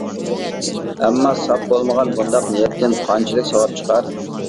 ئەمما ساپ بولمىغان بۇنداق نىيەتتىن قانچىلىك ساۋاپ چىقار.